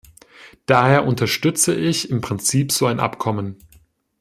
Daher unterstütze ich im Prinzip so ein Abkommen.